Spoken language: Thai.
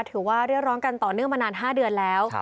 ถือว่าเรียกร้องกันต่อเนื่องมานาน๕เดือนแล้ว